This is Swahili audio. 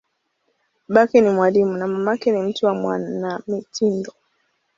Babake ni mwalimu, na mamake ni mtu wa mwanamitindo.